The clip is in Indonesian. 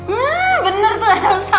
nah bener tuh elsa